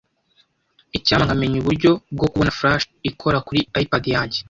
Icyampa nkamenya uburyo bwo kubona Flash ikora kuri iPad yanjye.